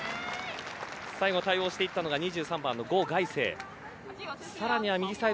最後、対応していったのが２３番のゴ・ガイセイ。